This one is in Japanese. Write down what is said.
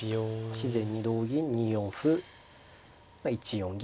自然に同銀２四歩１四銀